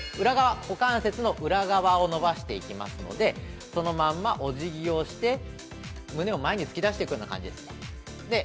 股関節の裏側を伸ばしていきますので、そのまま、おじぎをして胸を前に突き出していくような感じです。